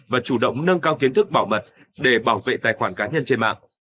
và chủ động nâng cao kiến thức bảo mật để bảo vệ tài khoản cá nhân trên mạng